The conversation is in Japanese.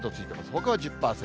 ほかは１０％。